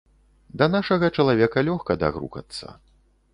Да нашага чалавека лёгка дагрукацца.